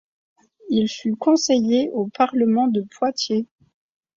Il fut conseiller au parlement de Poitiers.